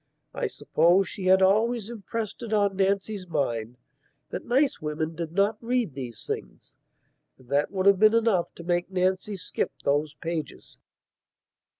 I suppose she had always impressed it on Nancy's mind that nice women did not read these things, and that would have been enough to make Nancy skip those pages.